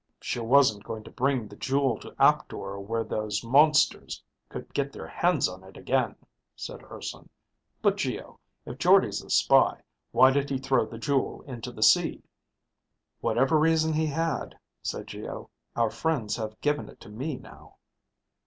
"She wasn't going to bring the jewel to Aptor where those monsters could get their hands on it again," said Urson. "But Geo, if Jordde's the spy, why did he throw the jewel in the sea?" "Whatever reason he had," said Geo, "our friends have given it to me now."